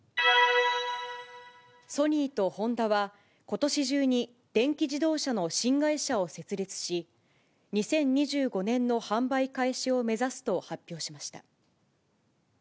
ソニーとホンダは、ことし中に電気自動車の新会社を設立し、２０２５年の販売開始を目指すと発表しました。